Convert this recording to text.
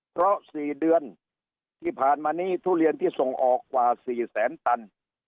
เพราะ๔เดือนที่ผ่านมานี้ทุเรียนที่ส่งออกกว่า๔แสนตัน